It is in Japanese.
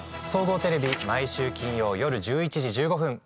総合テレビ毎週金曜夜１１時１５分。